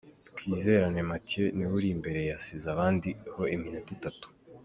Twizerane Mathieu niwe uri imbere, yasize abandi ho iminota itatu.